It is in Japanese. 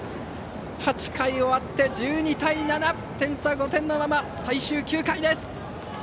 ８回が終わって１２対７点差５点のまま最終９回です。